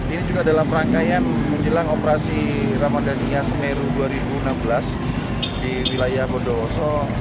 ini juga dalam rangkaian menjelang operasi ramadhania semeru dua ribu enam belas di wilayah bondowoso